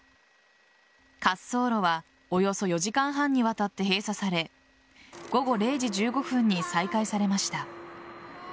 滑走路はおよそ４時間半にわたって閉鎖され午後０時１５分に再開されました。